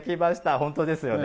本当ですよね。